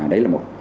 đấy là một